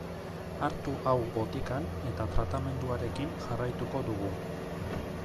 Hartu hau botikan eta tratamenduarekin jarraituko dugu.